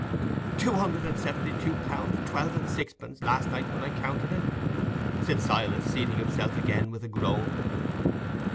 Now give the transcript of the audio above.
"Two hundred and seventy two pounds, twelve and sixpence, last night when I counted it," said Silas, seating himself again, with a groan.